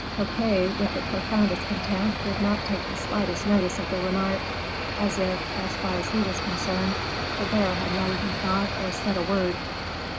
Fouquet, with the profoundest contempt, did not take the slightest notice of the remark, as if, as far as he was concerned, Colbert had not even thought or said a word.